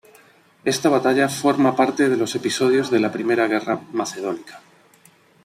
Esta batalla forma parte de los episodios de la primera guerra macedónica.